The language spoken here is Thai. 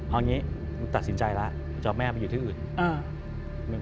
เอางี้มึงตัดสินใจแล้วจะเอาแม่ไปอยู่ที่อื่น